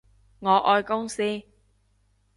我愛公司